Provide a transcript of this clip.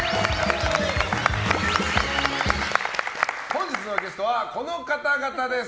本日のゲストはこの方々です。